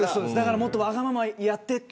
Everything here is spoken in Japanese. もっと、わがままやってと。